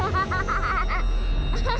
pak anak kita bakal jadi jagoan pak